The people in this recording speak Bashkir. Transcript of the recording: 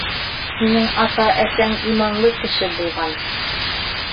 Һинең ата-әсәң иманлы кеше булған.